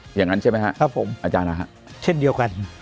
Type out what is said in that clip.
อย่างนั้นใช่ไหมครับผมอาจารย์นะฮะเช่นเดียวกัน